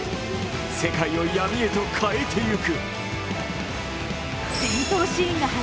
世界を闇へと変えていく。